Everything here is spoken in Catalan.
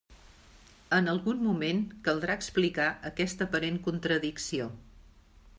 En algun moment caldrà explicar aquesta aparent contradicció.